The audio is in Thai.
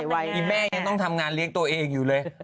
อีแม่ยังต้องทำงานเลี้ยงตัวเองอยู่เลย